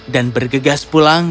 dan bergegas pulang